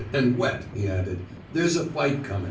An' wet," he added. There's a fight comin'."